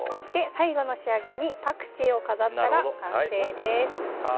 最後の仕上げにパクチーを飾ったら完成です。